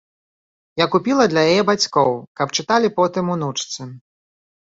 Я купіла для яе бацькоў, каб чыталі потым унучцы.